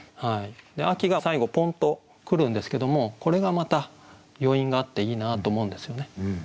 「秋」が最後ポンッとくるんですけどもこれがまた余韻があっていいなと思うんですよね。